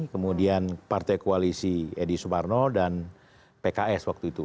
kemudian partai koalisi edi suparno dan pks waktu itu